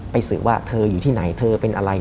สื่อว่าเธออยู่ที่ไหนเธอเป็นอะไร